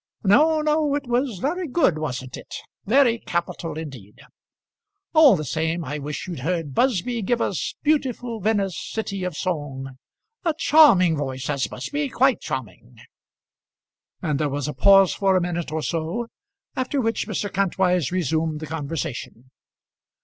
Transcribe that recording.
"No, no; it was very good, wasn't it now? very capital, indeed. All the same I wish you'd heard Busby give us 'Beautiful Venice, City of Song!' A charming voice has Busby; quite charming." And there was a pause for a minute or so, after which Mr. Kantwise resumed the conversation.